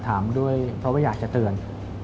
ถามด้วยเพราะว่าอยากจะเตือน